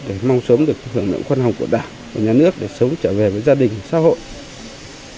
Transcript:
tìm kiếm văn hóa của đảng và nhà nước để sống trở về với gia đình xã hội